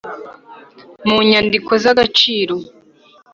mu nyandiko z agaciro